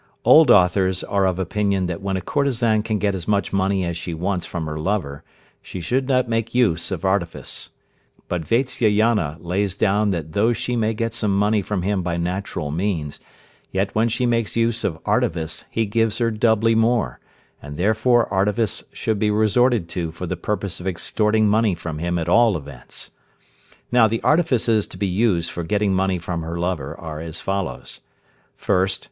Old authors are of opinion that when a courtesan can get as much money as she wants from her lover, she should not make use of artifice. But Vatsyayana lays down that though she may get some money from him by natural means, yet when she makes use of artifice he gives her doubly more, and therefore artifice should be resorted to for the purpose of extorting money from him at all events. Now the artifices to be used for getting money from her lover are as follows: 1st.